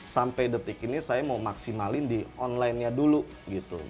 sampai detik ini saya mau maksimalin di online nya dulu gitu